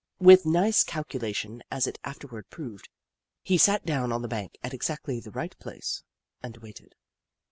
With nice calculation, as it afterward proved, he sat down on the bank at exactly the right place and waited.